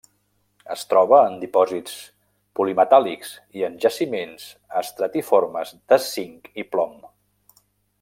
Es troba en dipòsits polimetàl·lics, i en jaciments estratiformes de zinc i plom.